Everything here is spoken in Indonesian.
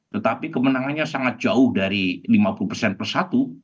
tetapi kemenangannya sangat jauh dari lima puluh persatu